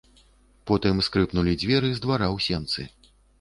Потым скрыпнулі дзверы з двара ў сенцы.